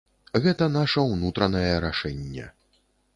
Гэта наша ўнутранае рашэнне.